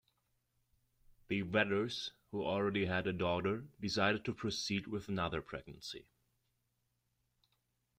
The Vetters, who already had a daughter, decided to proceed with another pregnancy.